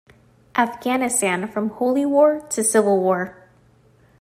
"Afghanistan: From Holy War to Civil War".